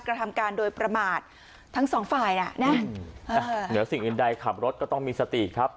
กระทำการโดยประมาททั้งสองฝ่ายน่ะนะเหนือสิ่งอื่นใดขับรถก็ต้องมีสติครับ